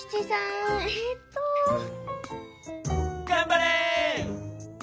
がんばれ！